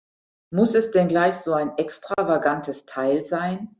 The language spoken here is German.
Muss es denn gleich so ein extravagantes Teil sein?